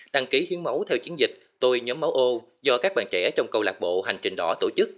đăng ký hiến máu theo chiến dịch tôi nhóm máu ô do các bạn trẻ trong câu lạc bộ hành trình đỏ tổ chức